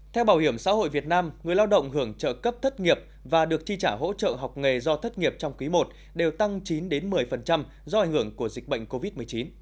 theo bảo hiểm xã hội việt nam người lao động hưởng trợ cấp thất nghiệp và được chi trả hỗ trợ học nghề do thất nghiệp trong ký một đều tăng chín một mươi do ảnh hưởng của dịch bệnh covid một mươi chín